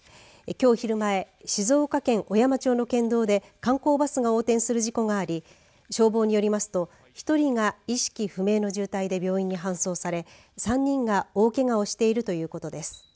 きょう昼前静岡県小山町の県道で観光バスが横転する事故があり消防によりますと１人が意識不明の重体で病院に搬送され３人が大けがをしているということです。